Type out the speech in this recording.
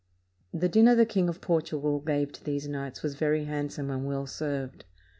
The dinner the King of Portugal gave to these knights was very handsome and well served.